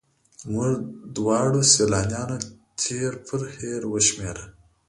موږ دواړو سیلانیانو تېر پر هېر وشمېره.